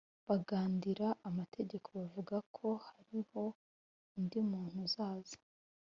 Bagandira amategeko bavuga ko hariho undi muntu uzaza